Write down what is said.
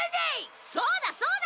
そうだそうだ！